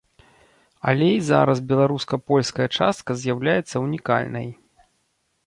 Але і зараз беларуска-польская частка з'яўляецца ўнікальнай.